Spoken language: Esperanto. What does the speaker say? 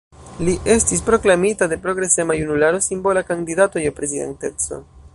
Li estis proklamita de progresema junularo simbola kandidato je Prezidanteco.